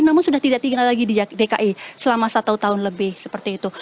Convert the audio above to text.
namun sudah tidak tinggal lagi di dki selama satu tahun lebih seperti itu